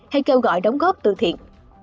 hay kêu gọi đóng góp từ thiện